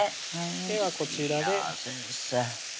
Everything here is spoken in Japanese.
ではこちらでいや先生